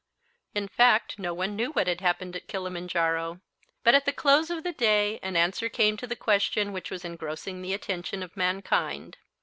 In fact no one knew what had happened at Kilimanjaro. But at the close of the day an answer came to the question which was engrossing the attention of mankind.